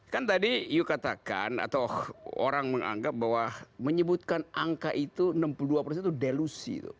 kan tadi yu katakan atau orang menganggap bahwa menyebutkan angka itu enam puluh dua persen itu delusi